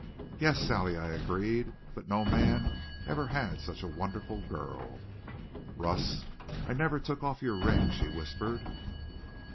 "Yes, Sally," I agreed; "but no man ever had such a wonderful girl." "Russ, I never took off your ring," she whispered.